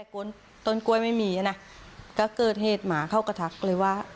ต้นต้นกล้วยไม่มีนะก็เกิดเหตุหมาเขาก็ทักเลยว่า